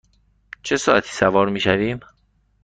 چه ساعتی سوار می شویم؟